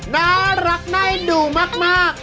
น่ารักใน่ดูมาก